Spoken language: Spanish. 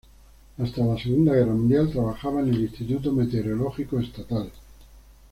Hasta la Segunda Guerra Mundial trabajaba en el Instituto Meteorológico Estatal.